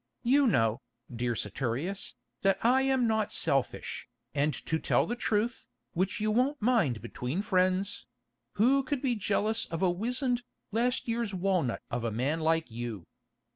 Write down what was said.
You know, dear Saturius, that I am not selfish, and to tell the truth, which you won't mind between friends—who could be jealous of a wizened, last year's walnut of a man like you?